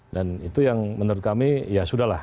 dan itu yang menurut kami ya sudah lah